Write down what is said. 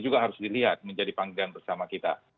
juga harus dilihat menjadi panggilan bersama kita